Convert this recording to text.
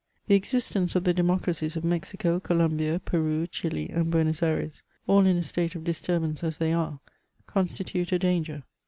The existence of the democracies of Mexico, Columbia, Peru, Chili, and fiuenos Ayres, all in a state of disturbance as they are, constitute a danger.